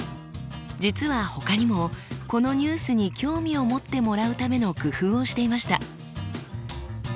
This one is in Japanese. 実は他にもこのニュースに興味を持ってもらうための工夫をしていました。